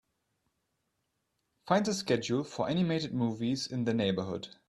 Find the schedule for animated movies in the neighbourhood.